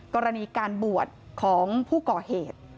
กรณีการบวชของผู้ก่อเหตุ